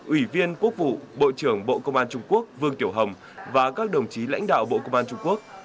ủy viên quốc vụ bộ trưởng bộ công an trung quốc vương tiểu hồng và các đồng chí lãnh đạo bộ công an trung quốc